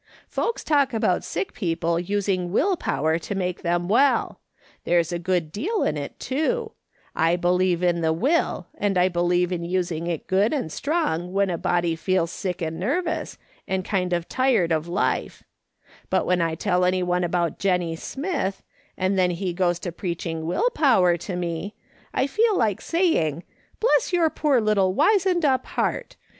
Folks talk about sick people using will power to make them well — there's a good deal in it, too ; I believe in the will, and I believe in using it good and strong when a body feels sick and nervous, and kind of tired of life ; but when I tell anyone about Jennie Smith, and then he goes to preaching will power to me, I feel like saying: Bless your poor little wizened up heart